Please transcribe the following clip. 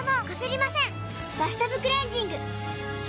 「バスタブクレンジング」！